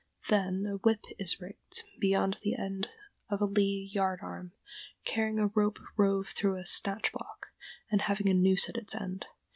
Then a "whip" is rigged beyond the end of a lee yard arm, carrying a rope rove through a snatch block, and having a noose at its end.